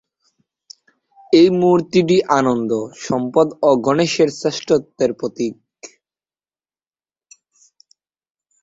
এই মূর্তিটি আনন্দ, সম্পদ ও গণেশের শ্রেষ্ঠত্বের প্রতীক।